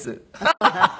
ハハハハ！